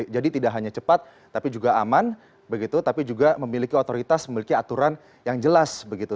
jadi tidak hanya cepat tapi juga aman begitu tapi juga memiliki otoritas memiliki aturan yang jelas begitu